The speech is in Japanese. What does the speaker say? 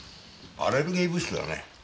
アレルギー物質だね。